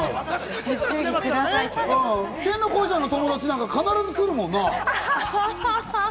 天の声さんの友達なんて必ず来るもんな。